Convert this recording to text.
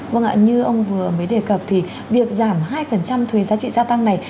vâng ạ như ông vừa mới đề cập thì việc giảm hai thuế giá trị gia tăng này